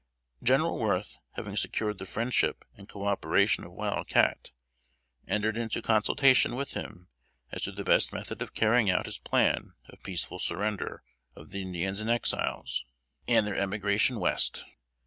General Worth, having secured the friendship and coöperation of Wild Cat, entered into consultation with him as to the best method of carrying out his plan of peaceful surrender of the Indians and Exiles, and their emigration West.